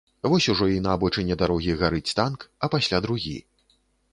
Вось ужо і на абочыне дарогі гарыць танк, а пасля другі.